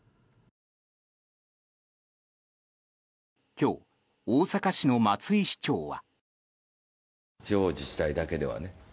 今日、大阪市の松井市長は。